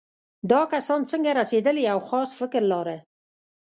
دا کسان څنګه رسېدل یو خاص فکر لاره.